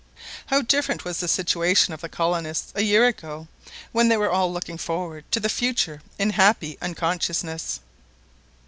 How different was the situation of the colonists a year ago, when they were all looking forward to the future in happy unconsciousness!